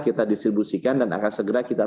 kita distribusikan dan akan segera kita